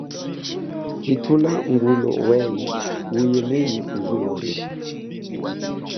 Hithula ngulu weye uye nenyi kuzuo lie.